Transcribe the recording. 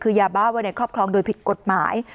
คือยาบ้าไว้ในครอบครองโดยผิดกฎหมาย